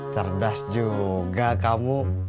cerdas juga kamu